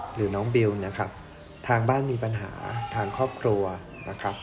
หรือน้องบิวนะครับทางบ้านมีปัญหาทางครอบครัวนะครับ